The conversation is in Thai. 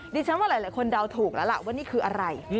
ดิฉันว่าหลายคนเดาถูกแล้วล่ะว่านี่คืออะไร